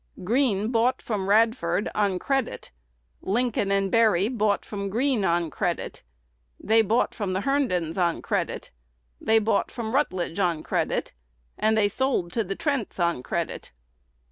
Green bought from Radford on credit; Lincoln & Berry bought from Green on credit; they bought from the Herndons on credit; they bought from Rutledge on credit; and they sold to the Trents on credit.